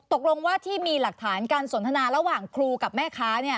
ตกลงว่าที่มีหลักฐานการสนทนาระหว่างครูกับแม่ค้า